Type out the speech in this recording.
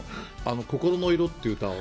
「心の色」という歌を。